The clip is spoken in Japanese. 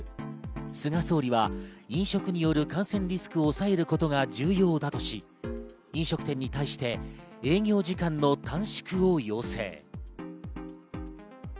菅総理は飲食による感染リスクを抑えることが重要だとし、飲食店に対して営業時間の短縮を要請。